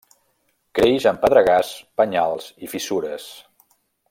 Creix en pedregars, penyals i fissures.